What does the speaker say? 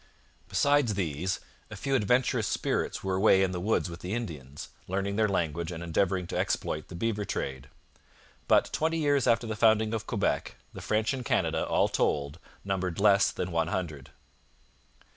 Besides these, a few adventurous spirits were away in the woods with the Indians, learning their language and endeavouring to exploit the beaver trade; but twenty years after the founding of Quebec the French in Canada, all told, numbered less than one hundred.